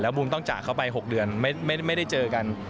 บูมต้องจากเขาไป๖เดือนไม่ได้เจอกัน